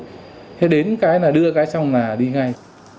thế đến cái là đưa cái xong là đi ngay